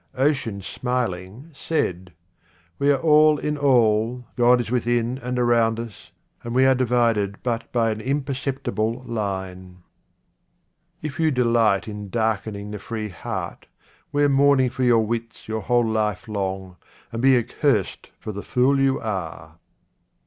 Ocean smiling said, " We are all in all, God is within and around us, and we are divided but by an imperceptible line." If you delight in darkening the free heart, 84 QUATRAINS OF OMAR KHAYYAM wear mourning for your wits your whole life long, and be accursed for the fool you are.